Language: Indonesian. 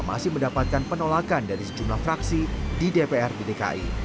masih mendapatkan penolakan dari sejumlah fraksi di dpr di dki